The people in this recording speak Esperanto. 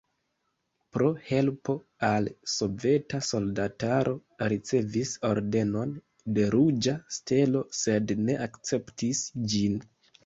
Pro helpo al soveta soldataro ricevis Ordenon de Ruĝa Stelo, sed ne akceptis ĝin.